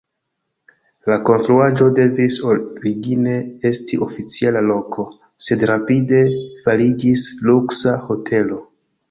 La konstruaĵo devis origine esti oficiala loko, sed rapide fariĝis luksa hotelo.